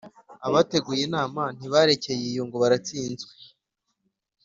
abateguye inama ntibarekeye iyo ngo baratsinzwe.